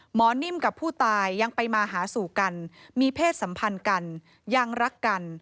นิ่มกับผู้ตายยังไปมาหาสู่กันมีเพศสัมพันธ์กันยังรักกัน